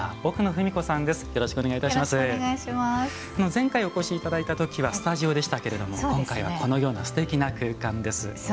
前回お越しいただいたときはスタジオでしたけれども今回はこのようなすてきな空間です。